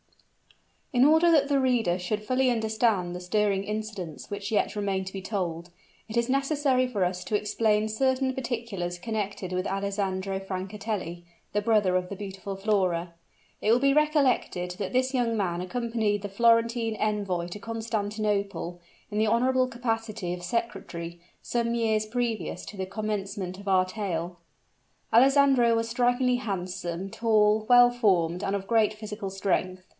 In order that the reader should fully understand the stirring incidents which yet remain to be told, it is necessary for us to explain certain particulars connected with Alessandro Francatelli, the brother of the beautiful Flora. It will be recollected that this young man accompanied the Florentine envoy to Constantinople, in the honorable capacity of secretary, some few years previous to the commencement of our tale. Alessandro was strikingly handsome, tall, well formed, and of great physical strength.